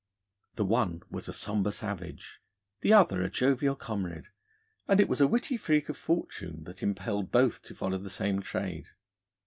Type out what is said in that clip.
The one was a sombre savage, the other a jovial comrade, and it was a witty freak of fortune that impelled both to follow the same trade.